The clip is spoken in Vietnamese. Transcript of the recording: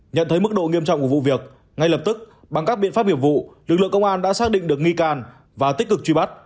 nhận thấy mức độ nghiêm trọng của vụ việc ngay lập tức bằng các biện pháp nghiệp vụ lực lượng công an đã xác định được nghi can và tích cực truy bắt